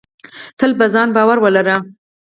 تل په ځان باور ولره.